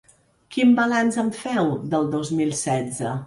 Quin balanç en feu, del dos mil setze?